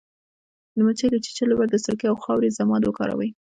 د مچۍ د چیچلو لپاره د سرکې او خاورې ضماد وکاروئ